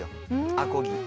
アコギ。